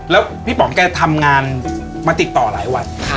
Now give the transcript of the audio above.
แล้วพี่ป๋องแกทำงานมาติดต่อหลายวัน